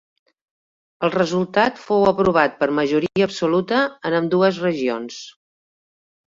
El resultat fou aprovat per majoria absoluta en ambdues regions.